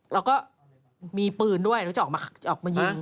แล้วก็มีปืนด้วยแล้วจะออกมายิง